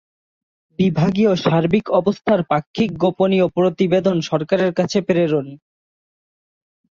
বিভাগীয় সার্বিক অবস্থার পাক্ষিক গোপনীয় প্রতিবেদন সরকারের কাছে প্রেরণ।